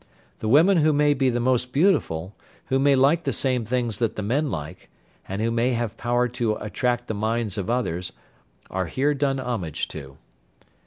The women who may be the most beautiful, who may like the same things that the men like, and who may have power to attract the minds of others, are here done homage to.